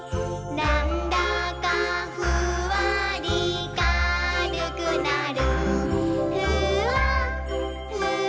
「なんだかフワリかるくなる」